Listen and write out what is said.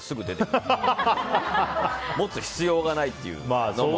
持つ必要がないっていう。